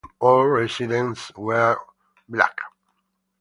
All residents were white.